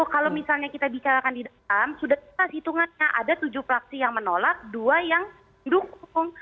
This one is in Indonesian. kalau misalnya kita bicarakan di dalam sudah kita hitungannya ada tujuh fraksi yang menolak dua yang mendukung